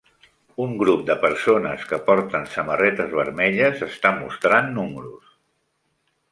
Un grup de persones que porten samarretes vermelles està mostrant números.